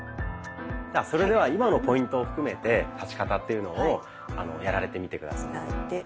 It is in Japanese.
それでは今のポイントを含めて立ち方というのをやられてみて下さい。